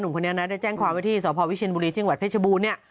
คนนี้นะได้แจ้งความว่าที่สพวิเชียนบุรีจังหวัดเพชรบูรณเนี่ย